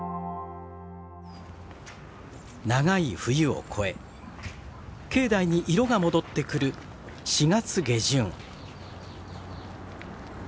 長い冬を越え境内に色が戻ってくる４月下旬。